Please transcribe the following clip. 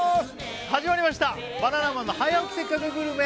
始まりました「バナナマンの早起きせっかくグルメ！！」